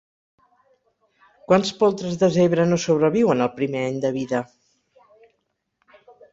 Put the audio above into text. Quants poltres de zebra no sobreviuen al primer any de vida?